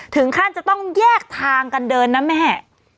ถึงขั้นจะต้องแยกทางกันเดินนะแม่